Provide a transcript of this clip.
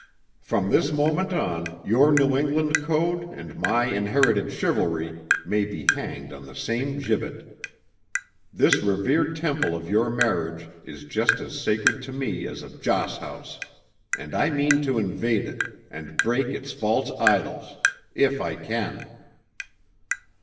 "From this moment on your New England code and my inherited chivalry may be hanged on the same gibbet! This revered temple of your marriage is just as sacred to me as a joss house and I mean to invade it and break its false idols if I can!"